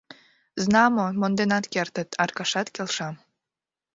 — Знамо, монденат кертыт, — Аркашат келша.